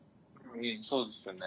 そうですよね。